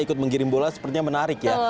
ikut mengirim bola sepertinya menarik ya